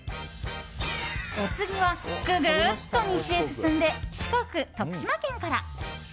お次は、ぐぐっと西へ進んで四国、徳島県から。